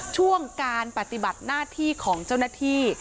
ช่วงการปฏิบัติหน้าที่ของเจ้าหน้าที่